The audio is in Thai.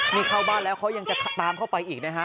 นี่เข้าบ้านแล้วเขายังจะตามเข้าไปอีกนะฮะ